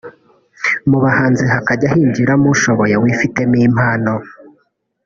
mu buhanzi hakajya hinjiramo ushoboye wifitemo impano